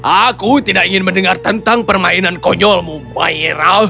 aku tidak ingin mendengar tentang permainan konyolmu maira